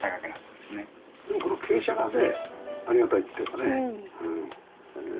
でもこの傾斜がねありがたいっていうかね。